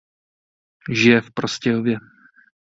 Žije v Prostějově.